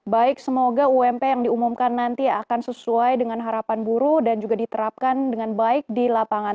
baik semoga ump yang diumumkan nanti akan sesuai dengan harapan buruh dan juga diterapkan dengan baik di lapangan